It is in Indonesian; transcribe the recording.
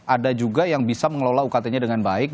ada juga yang bisa mengelola ukt nya dengan baik